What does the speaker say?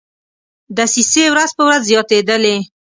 دسیسې ورځ په ورځ زیاتېدلې.